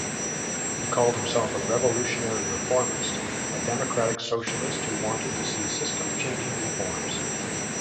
He called himself a "revolutionary-reformist", a democratic socialist who wanted to see system-changing reforms.